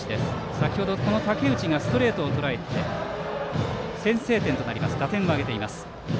先程、この竹内がストレートをとらえて先制点となる打点を挙げています。